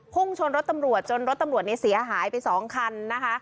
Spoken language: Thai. พุ่งชนรถตำรวจจนรถตำรวจเนี่ยเสียหายไป๒คันนะคะ